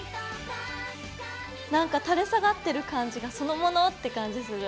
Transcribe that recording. なんか垂れ下がってる感じがそのものって感じする。